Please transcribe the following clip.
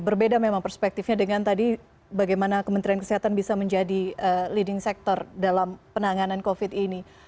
berbeda memang perspektifnya dengan tadi bagaimana kementerian kesehatan bisa menjadi leading sector dalam penanganan covid ini